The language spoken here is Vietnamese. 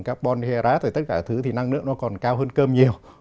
carbon herat và tất cả thứ thì năng lượng nó còn cao hơn cơm nhiều